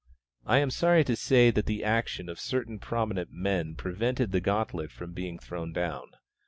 I am sorry to say that the action of certain prominent men prevented the gauntlet being thrown down.